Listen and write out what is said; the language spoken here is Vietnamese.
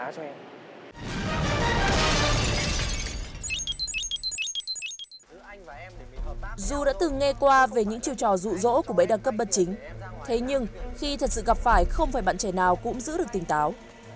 dù đã từng nghe qua về những chiêu trò rụ rỗ của bẫy đăng cấp bất chính thế nhưng khi thật sự gặp phải không phải bạn trẻ nào cũng giữ được tỉnh táo